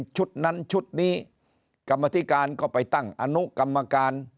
ชุดนั้นชุดนี้กรรมธิการก็ไปตั้งอนุกรรมการ